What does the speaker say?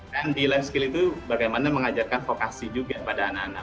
kan di life skill itu bagaimana mengajarkan vokasi juga pada anak anak